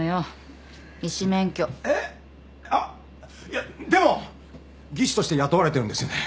いやでも技師として雇われてるんですよね？